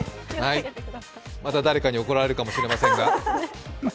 また誰かに怒られるかも分かりませんが。